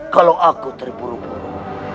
kalau aku terburu buru